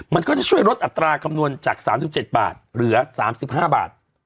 มันก็จะช่วยลดอัตราคำนวณจาก๓๗บาทเหลือ๓๕บาท